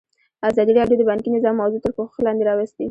ازادي راډیو د بانکي نظام موضوع تر پوښښ لاندې راوستې.